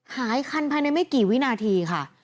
หายคันภายในไม่กี่วินาทีค่ะ